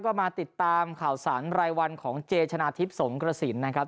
ก็มาติดตามข่าวสารรายวันของเจชนะทิพย์สงกระสินนะครับ